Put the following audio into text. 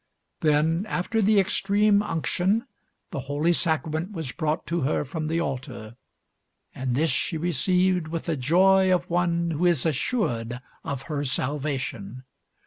Then, after the extreme unction, the Holy Sacrament was brought to her from the altar, and this she received with the joy of one who is assured of her salvation.